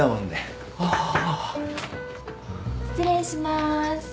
・失礼します。